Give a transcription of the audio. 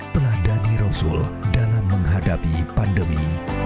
telah dhani rasul dalam menghadapi pandemi